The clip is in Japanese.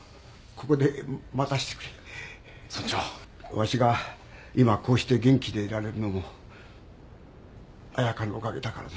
わしが今こうして元気でいられるのも彩佳のお陰だからな。